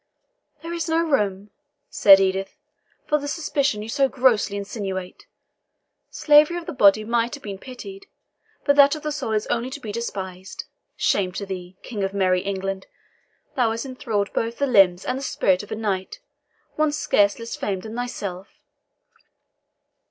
"There is no room," said Edith, "for the suspicion you so grossly insinuate. Slavery of the body might have been pitied, but that of the soul is only to be despised. Shame to thee, King of merry England. Thou hast enthralled both the limbs and the spirit of a knight, one scarce less famed than thyself."